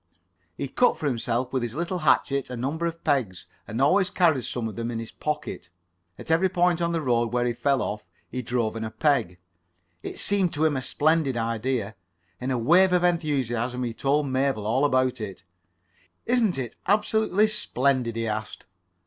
He cut for himself with his little hatchet a number of pegs, and always carried some of them in his pocket. At every point on the road where he fell off, he drove in a peg. It [Pg 15]seemed to him a splendid idea. In a wave of enthusiasm he told Mabel all about it. "Isn't it absolutely splendid?" he asked.